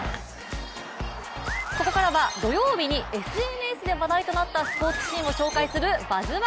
ここからは、土曜日にＳＮＳで話題となったスポーツシーンを紹介する「バズ☆１」